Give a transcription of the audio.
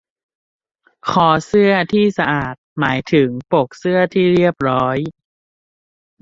คอเสื้อที่สะอาดหมายถึงปกเสื้อที่เรียบร้อย